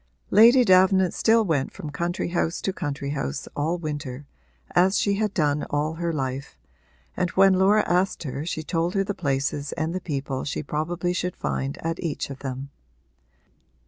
Lady Davenant still went from country house to country house all winter, as she had done all her life, and when Laura asked her she told her the places and the people she probably should find at each of them.